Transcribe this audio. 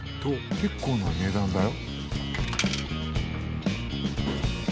結構な値段だよ。